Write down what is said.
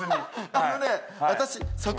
あのね私。